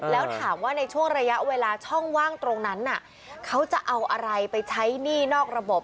แล้วถามว่าในช่วงระยะเวลาช่องว่างตรงนั้นเขาจะเอาอะไรไปใช้หนี้นอกระบบ